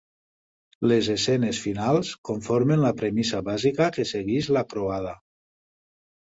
Les escenes finals conformen la premissa bàsica que segueix la croada.